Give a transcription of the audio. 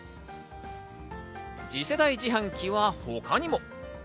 次世代自販機は他にも。